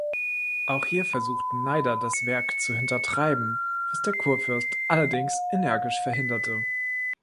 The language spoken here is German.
Auch hier versuchten Neider das Werk zu hintertreiben, was der Kurfürst allerdings energisch verhinderte.